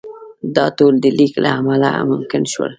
دا ټول د لیک له امله ممکن شول.